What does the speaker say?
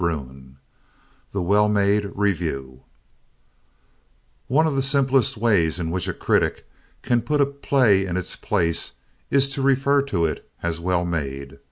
XVIII THE WELL MADE REVIEW One of the simplest ways in which a critic can put a play in its place is to refer to it as "well made."